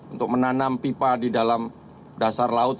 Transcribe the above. untuk menanam pipa di dalam dasar laut